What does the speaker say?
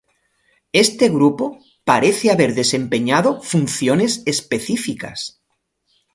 Este grupo parece haber desempeñado funciones específicas.